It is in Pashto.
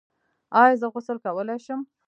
ایا زه غسل کولی شم؟